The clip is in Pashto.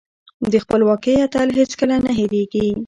د خپلواکۍ اتل هېڅکله نه هيريږي.